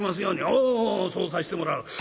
「おうおうそうさしてもらう。